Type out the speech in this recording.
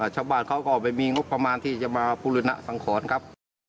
ชาวบ้านเขาก็ไม่มีงบประมาณที่จะมาบุรณสังขรครับ